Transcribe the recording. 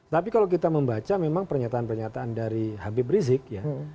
tapi kalau kita membaca memang pernyataan pernyataan dari habib rizik ya